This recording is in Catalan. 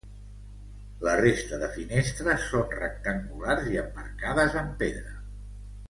La resta de finestres són rectangulars i emmarcades amb pedra.